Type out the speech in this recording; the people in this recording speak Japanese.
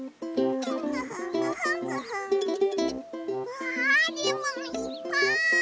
うわレモンいっぱい！